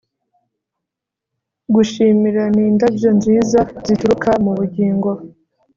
gushimira ni indabyo nziza zituruka mu bugingo